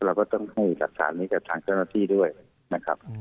แล้วก็ต้องให้ถูกส่งไปจากฐานนี้ให้ถามเจ้าหน้าที่ด้วยนะครับ